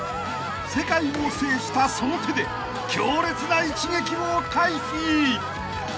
［世界を制したその手で強烈な一撃を回避］